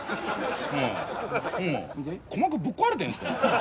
うんうん鼓膜ぶっ壊れてんですか？